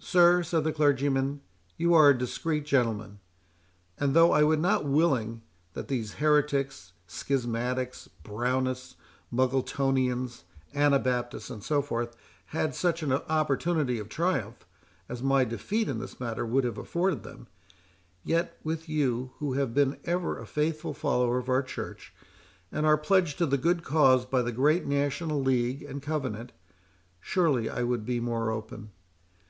"Sir," said the clergyman, "you are a discreet gentleman; and though I would not willingly that these heretics, schismatics, Brownists, Muggletonians, Anabaptists, and so forth, had such an opportunity of triumph, as my defeat in this matter would have afforded them, yet with you, who have been ever a faithful follower of our Church, and are pledged to the good cause by the great National League and Covenant, surely I would be more open.